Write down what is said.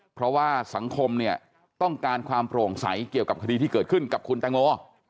เพราะว่าสังคมเนี่ยต้องการความโปร่งใสเกี่ยวกับคดีที่เกิดขึ้นกับคุณแตงโม